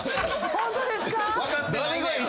ホントですか。